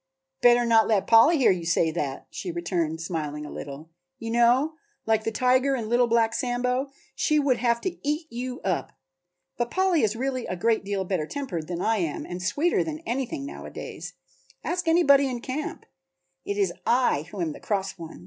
"Better not let Polly hear you say that," she returned, smiling a little. "You know, like the tiger in 'Little Black Sambo,' she would have to eat you up. But Polly is really a great deal better tempered than I am and sweeter than anything nowadays; ask anybody in camp. It is I who am the cross one.